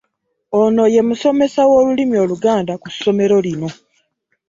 Oyo ye musomesa w'olulimi Oluganda ku ssomero lino.